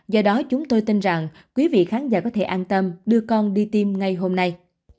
do đó chúng tôi tin rằng quý vị khán giả có thể an tâm đưa con đi tiêm ngay hôm nay